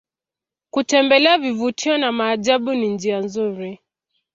kutembelea vivutio na maajabu ni njia nzuri